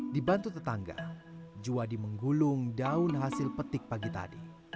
dibantu tetangga juwadi menggulung daun hasil petik pagi tadi